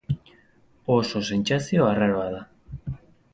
Oso sentsazio arraroa da.